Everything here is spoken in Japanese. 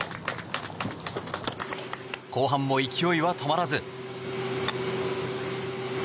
後半も勢いは止まらず。